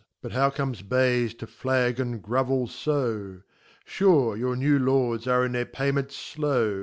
But how comes Bayes to flag and grovel fo > Sure your new Lords are in their payments flow.